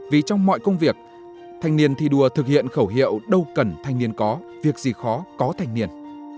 vì trong mọi công việc thanh niên thi đua thực hiện khẩu hiệu đâu cần thanh niên có việc gì khó có thanh niên